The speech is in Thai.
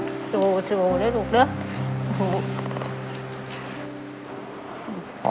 สู้สู้ด้วยลูกด้วย